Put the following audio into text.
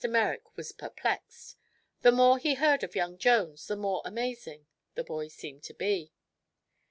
Merrick was perplexed. The more he heard of young Jones the more amazing; the boy seemed to be.